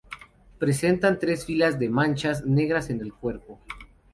Presenta tres filas de manchas negras en el cuerpo.